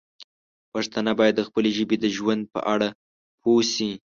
پښتانه باید د خپلې ژبې د ژوند په اړه پوه شي.